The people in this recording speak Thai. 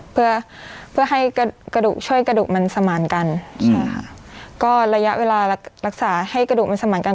เพื่อเพื่อให้กระดูกช่วยกระดูกมันสมานกันใช่ค่ะก็ระยะเวลารักษาให้กระดูกมันสมานกัน